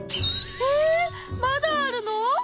えっまだあるの？